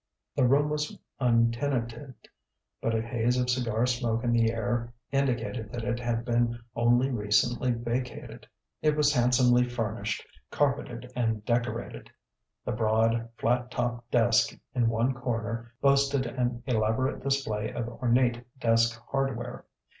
The room was untenanted, but a haze of cigar smoke in the air indicated that it had been only recently vacated. It was handsomely furnished, carpeted and decorated. The broad, flat topped desk in one corner boasted an elaborate display of ornate desk hardware.